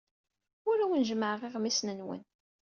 Ur awen-jemmɛeɣ iɣmisen-nwen.